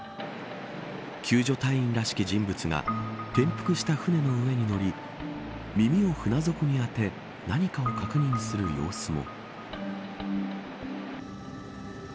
救助隊員らしき人物が転覆した船の上に乗り耳を船底に当て何かを確認する様子も。